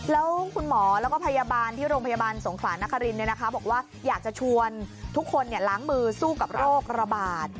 แล้วคุณหมอแล้วก็พยาบาลที่โรงพยาบาลสงขลานครินบอกว่าอยากจะชวนทุกคนล้างมือสู้กับโรคระบาด